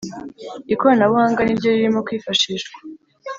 ikoranabuhanga niryo ririmo kwifashishwa